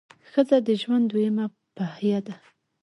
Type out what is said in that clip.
ښځه د ژوند دویمه پهیه ده.